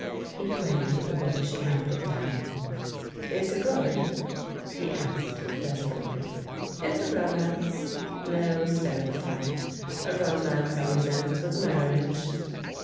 He played with the book she had put down. ... "Is it good?" he asked desperately. "It's a romance. No, stereotyped. A romance always ends with a marriage."